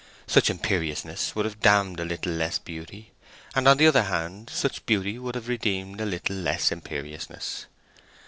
Such imperiousness would have damned a little less beauty; and on the other hand, such beauty would have redeemed a little less imperiousness.